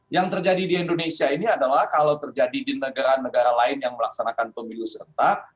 yang terjadi di indonesia ini adalah kalau terjadi di negara negara lain yang melaksanakan pemilu serentak